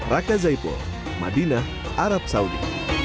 raka zaipul madinah arab saudi